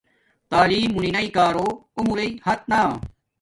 تعلیم مونی ناݵݷ کارو عمرݷ حت نا